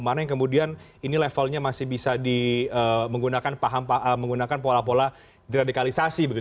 mana yang kemudian ini levelnya masih bisa menggunakan pola pola deradikalisasi